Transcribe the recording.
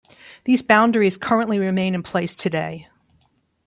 These boundaries currently remain in place today.